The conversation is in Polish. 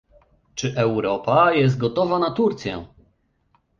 Czy Europa jest gotowa na Turcję?